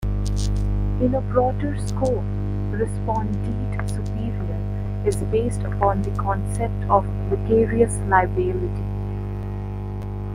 In a broader scope, "respondeat superior" is based upon the concept of vicarious liability.